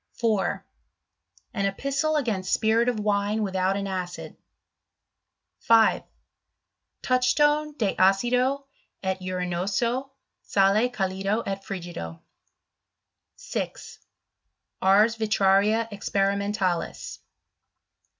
4 An Epistle against Spirit of Wine without an acid. 5. Touchstone de Acido et Urinoso, Sale calido et frigido. 6. Ars Vitraria experimentalis.